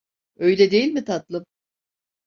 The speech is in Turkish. Öyle değil mi tatlım?